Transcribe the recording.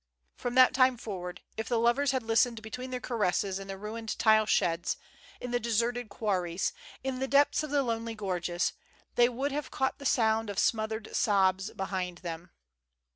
From that time forward, if the lov ers had listened between their caresses in the ruined tile sheds, in the deserted quarries, in the depths of the lonely gorges, they would have caught the sound of smothered sobs behind them.